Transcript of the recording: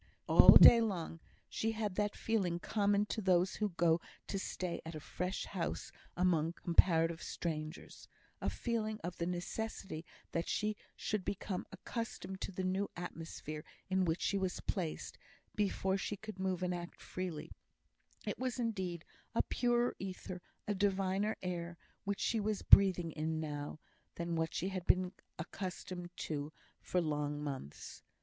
All day long, she had that feeling common to those who go to stay at a fresh house among comparative strangers: a feeling of the necessity that she should become accustomed to the new atmosphere in which she was placed, before she could move and act freely; it was, indeed, a purer ether, a diviner air, which she was breathing in now, than what she had been accustomed to for long months.